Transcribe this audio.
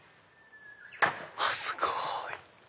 あっすごい！